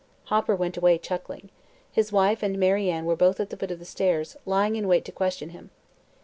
Hopper went away chuckling. His wife and Mary Ann were both at the foot of the stairs, lying in wait to question him.